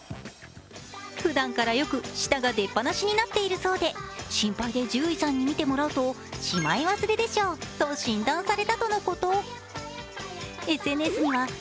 ふだんから、よく舌が出っぱなしになっているそうで心配で獣医さんに診てもらうとしまい忘れでしょうと診断されたとのこと。